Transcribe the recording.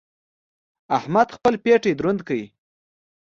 احمد خپل پېټی دروند کړ.